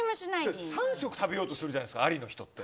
３食食べようとするじゃないですかありの人って。